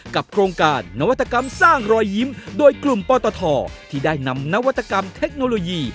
โครงการนวัตกรรมสร้างรอยยิ้มโดยกลุ่มปตทที่ได้นำนวัตกรรมเทคโนโลยี